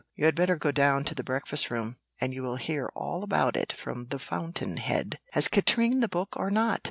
You had better go down to the breakfast room, and you will hear all about it from the fountain head." "Has Katrine the book or not?"